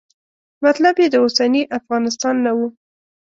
مطلب یې د اوسني افغانستان نه و.